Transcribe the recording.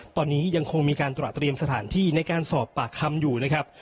ตอนนี้ยังคงมีการตรวจเตรียมสถานที่ในการสอบปากคำอยู่นะครับ